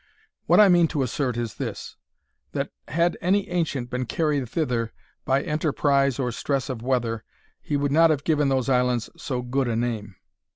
What I mean to assert is this—that, had any ancient been carried thither by enterprise or stress of weather, he would not have given those islands so good a name.